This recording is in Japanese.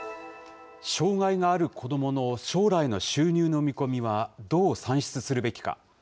障害のある子どもの将来の収入の見込みはどう算出するべきか。